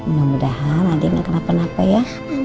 mudah mudahan adek gak kenapa napa ya